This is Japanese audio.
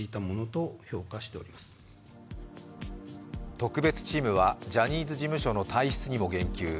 特別チームはジャニーズ事務所の体質にも言及。